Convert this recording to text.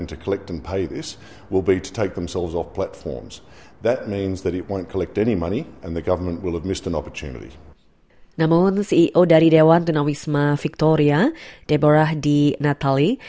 namun ceo dari dewan tunawisma victoria deborah d nathalie